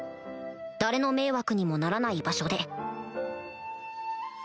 誰の迷惑にもならない場所で